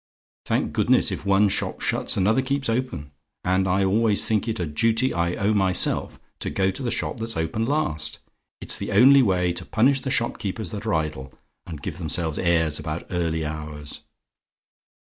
Thank goodness! if one shop shuts, another keeps open; and I always think it a duty I owe to myself to go to the shop that's open last: it's the only way to punish the shopkeepers that are idle, and give themselves airs about early hours.